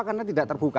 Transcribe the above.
karena tidak terbuka